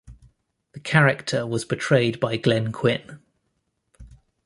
The character was portrayed by Glenn Quinn.